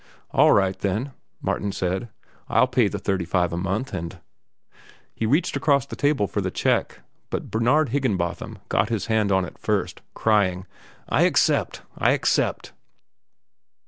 "All right, then," Martin said. "I'll pay the thirty five a month, and—" He reached across the table for the check. But Bernard Higginbotham got his hand on it first, crying: "I accept! I accept!"